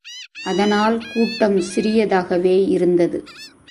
அதனால் கூட்டம் சிறியதாகவே இருந்தது.